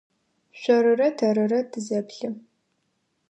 Шъорырэ тэрырэ тызэплъы.